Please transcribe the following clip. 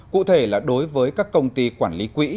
cụ thể là đối với các công ty quản lý quỹ